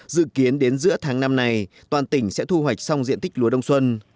dự kiến đến giữa tháng năm này toàn tỉnh sẽ thu hoạch xong diện tích lúa đông xuân